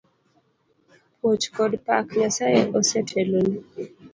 Puoch kod pak, Nyasaye oseteloni.